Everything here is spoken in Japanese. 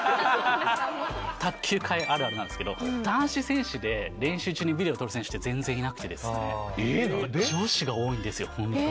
卓球界あるあるなんですけど男子選手で練習中にビデオを撮る選手って全然いなくて、女子が多いんですよ、本当に。